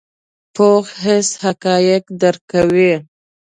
پوخ حس حقایق درک کوي